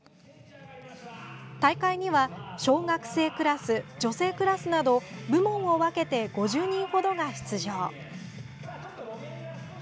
大会には小学生クラス、女性クラスなど部門を分けて５０人ほどが出場。